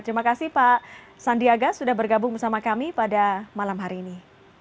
terima kasih pak sandiaga sudah bergabung bersama kami pada malam hari ini